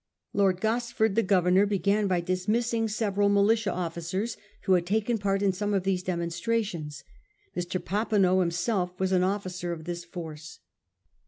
Lord Gosford, the governor, began by dismissing several militia officers who had taken part in some of these demonstrations ; Mr. Papineau him self was an officer of this force.